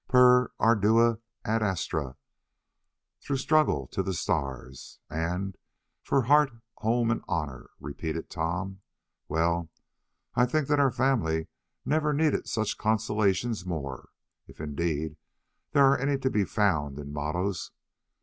"'Per ardua ad astra'—through struggle to the stars—and 'For Heart, Home, and Honour,'" repeated Tom; "well, I think that our family never needed such consolations more, if indeed there are any to be found in mottoes.